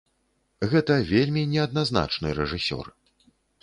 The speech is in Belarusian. Гэта вельмі неадназначны рэжысёр.